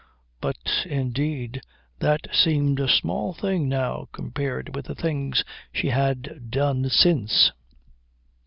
But, indeed, that seemed a small thing now compared with the things she had done since.